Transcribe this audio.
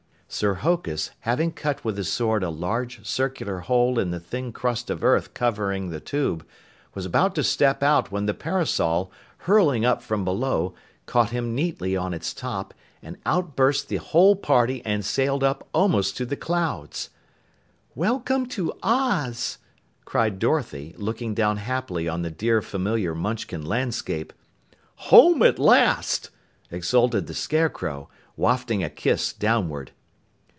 Sir Hokus, having cut with his sword a large circular hole in the thin crust of earth covering the tube, was about to step out when the parasol, hurling up from below, caught him neatly on its top, and out burst the whole party and sailed up almost to the clouds! "Welcome to Oz!" cried Dorothy, looking down happily on the dear familiar Munchkin landscape. "Home at last!" exulted the Scarecrow, wafting a kiss downward.